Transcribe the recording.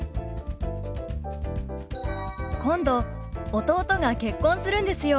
今度弟が結婚するんですよ。